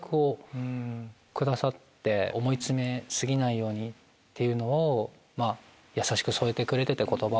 思い詰め過ぎないようにっていうのを優しく添えてくれてて言葉を。